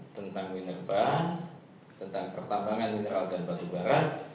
tentang winerba tentang pertambangan mineral dan batu barang